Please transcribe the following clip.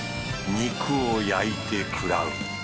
肉を焼いて食らう。